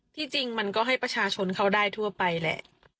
จริงมันก็ให้ประชาชนเขาได้ทั่วไปแหละ